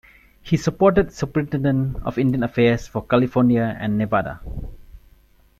He supported Superintendent of Indian Affairs for California and Nevada.